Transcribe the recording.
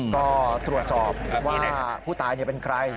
ก็ตรวจสอบว่าผู้ตายเป็นใคร